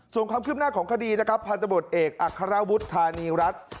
ส่วนความคืบหน้าของคดีนะครับพันธบทเอกอัครวุฒิธานีรัฐ